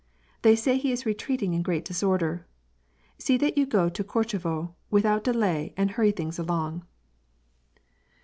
They say he is retreating in great disorder. See that you go to Korchevo without delay and hurry tmnga along.